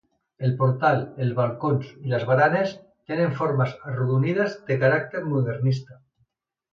El portal, els balcons i les baranes tenen formes arrodonides de caràcter modernista.